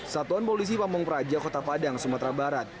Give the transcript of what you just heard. satuan polisi pamung praja kota padang sumatera barat